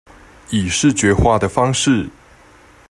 以視覺化的方式